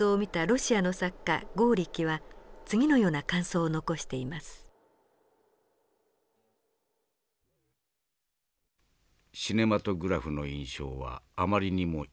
「シネマトグラフの印象はあまりにも異常で複雑だ。